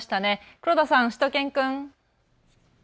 黒田さん、しゅと犬くん。